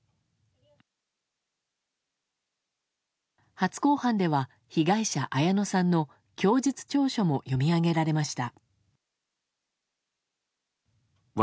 初公判では被害者・綾野さんの供述調書も読み上げられました。